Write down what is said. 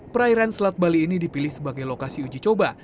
perairan selat bali ini dipilih sebagai lokasi uji coba